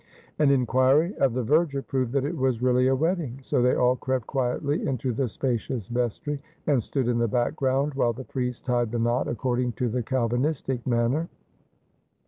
An inquiry of the verger proved that it was really a wedding, so they all crept quietly into the sjiacious vestry, and stood in the background, while the priest tied the knot according to the Calvinistic manner.